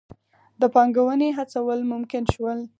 د پانګونې هڅول ممکن شول.